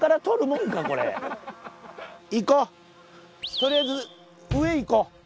とりあえず上行こう。